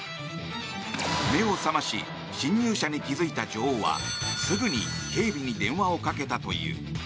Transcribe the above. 目を覚まし侵入者に気付いた女王はすぐに警備に電話をかけたという。